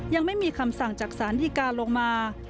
ยังไม่มีคำสั่งจากสารดีการลงมา